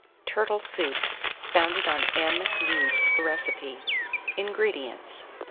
TURTLE SOUP (founded on M. Ude's Recipe). 189. INGREDIENTS.